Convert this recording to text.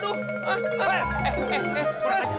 kurang ajar kurang ajar